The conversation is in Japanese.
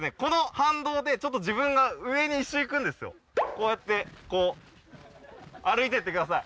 こうやってこう歩いていってください。